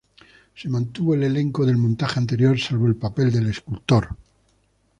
Se mantuvo el elenco del montaje anterior, salvo el papel del escultor.